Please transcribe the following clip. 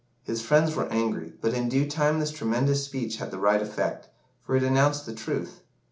His friends were angry, but in due time this tremendous speech had the right effect, for it announced the truth.